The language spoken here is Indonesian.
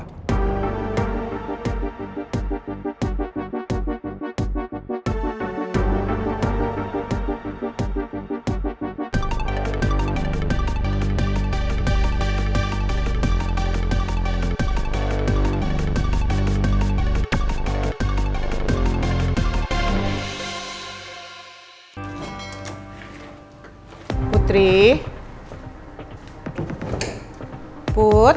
kamu keren banget